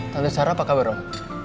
tante sarah apa kabar om